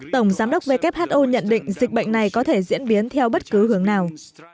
tổng giám đốc who nhận định dịch bệnh này có thể diễn biến theo bất cứ hướng nào